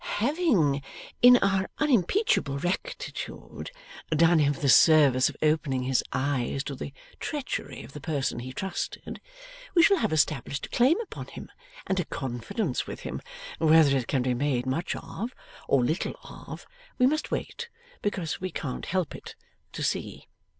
'Having, in our unimpeachable rectitude, done him the service of opening his eyes to the treachery of the person he trusted, we shall have established a claim upon him and a confidence with him. Whether it can be made much of, or little of, we must wait because we can't help it to see.